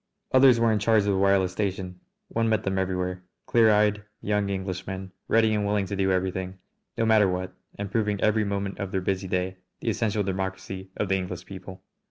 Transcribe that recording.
Others were in charge of the wireless station. One met them everywhere, clear eyed young Englishmen ready and willing to do anything, no matter what, and proving every moment of their busy day the essential democracy of the English people.